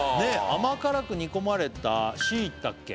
「甘辛く煮込まれたしいたけ」